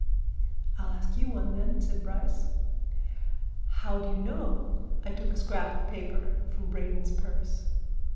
"I'll ask you one, then," said Bryce. "How do you know I took a scrap of paper from Braden's purse?"